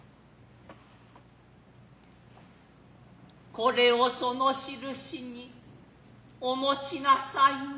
これを其の記念にお持ちなさいまし。